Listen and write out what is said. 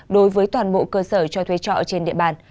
đối với toàn bộ cơ sở cho thuê trọ trên địa bàn